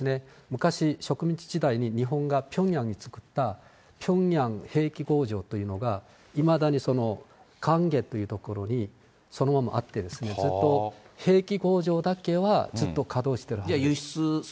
昔、植民地時代に日本がピョンヤンに作ったピョンヤン兵器工場というのが、いまだにカンゲという所に、そのままあって、ずっと兵器工場だけは、ずっと稼働してるはずです。